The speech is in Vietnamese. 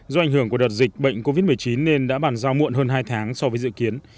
do ảnh hưởng của đợt dịch bệnh covid một mươi chín nên đã bàn giao muộn hơn hai tháng so với dự kiến